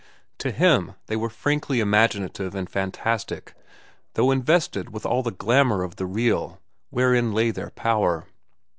To him they were frankly imaginative and fantastic, though invested with all the glamour of the real, wherein lay their power.